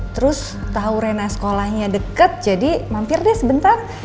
terus tahu rena sekolahnya deket jadi mampir deh sebentar